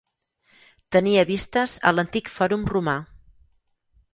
Tenia vistes a l'antic Fòrum Romà.